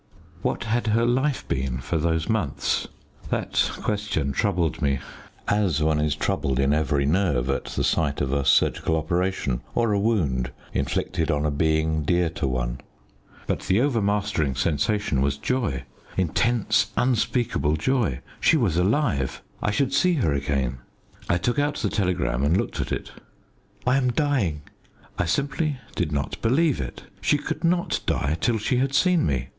What had her life been for those months? That question troubled me, as one is troubled in every nerve at the sight of a surgical operation or a wound inflicted on a being dear to one. But the overmastering sensation was joy intense, unspeakable joy. She was alive! I should see her again. I took out the telegram and looked at it: "I am dying." I simply did not believe it. She could not die till she had seen me.